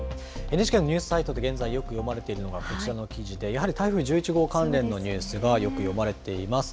ＮＨＫのニュースサイトで現在、よく読まれているのがこちらの記事で、やはり台風１１号関連のニュースがよく読まれています。